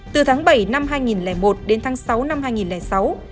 từ tháng bảy năm hai nghìn một đến tháng sáu năm hai nghìn sáu